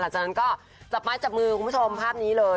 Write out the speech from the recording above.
หลังจากนั้นก็จับไม้จับมือคุณผู้ชมภาพนี้เลย